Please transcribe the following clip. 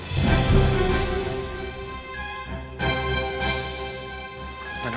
tapi ternyata papa punya pilihan lain